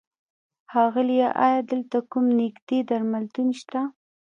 ښاغيله! ايا دلته کوم نيږدې درملتون شته؟